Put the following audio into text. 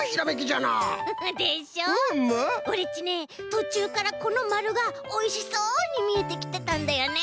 とちゅうからこのまるがおいしそうにみえてきてたんだよね。